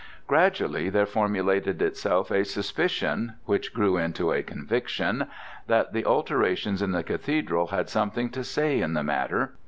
Gradually there formulated itself a suspicion which grew into a conviction that the alterations in the Cathedral had something to say in the matter.